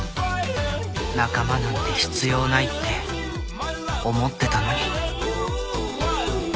仲間なんて必要ないって思ってたのに